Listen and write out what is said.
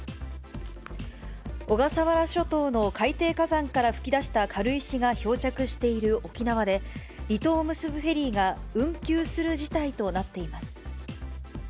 小笠原諸島の海底火山から噴き出した軽石が漂着している沖縄で、離島を結ぶフェリーが運休する事態となっています。